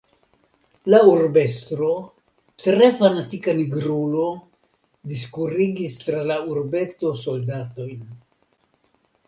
La urbestro, tre fanatika Nigrulo, diskurigis tra la urbeto soldatojn.